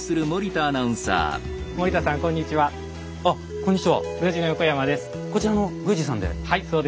こちらの宮司さんで？